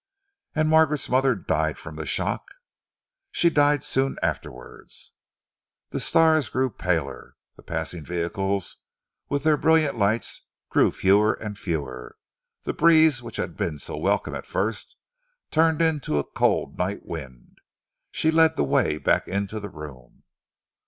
"And Margaret's mother died from the shock." "She died soon afterwards." The stars grew paler. The passing vehicles, with their brilliant lights, grew fewer and fewer. The breeze which had been so welcome at first, turned into a cold night wind. She led the way back into the room.